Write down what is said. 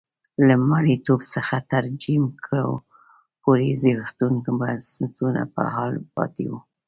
له مریتوب څخه تر جیم کرو پورې زبېښونکي بنسټونه په حال پاتې وو.